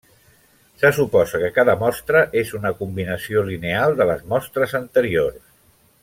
Se suposa que cada mostra és una combinació lineal de les mostres anteriors.